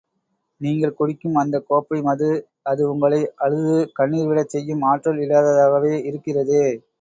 நீங்கள் குடிக்கும் அந்தக் கோப்பை மது, அது உங்களை அழுது கண்ணிர் விடச் செய்யும் ஆற்றல் இல்லாததாக இருக்கிறதே!